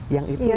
yang itu ya